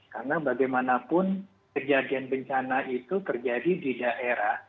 karena bagaimanapun kejadian bencana itu terjadi di daerah